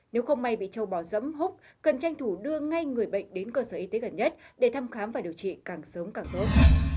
nếu không may bị châu bò dẫm hút cần tranh thủ đưa ngay người bệnh đến cơ sở y tế gần nhất để thăm khám và điều trị càng sớm càng tốt